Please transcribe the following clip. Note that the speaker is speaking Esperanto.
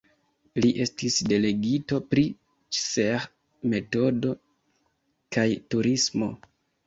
Li estis delegito pri Ĉseh-metodo kaj turismo.